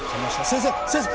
先生先生！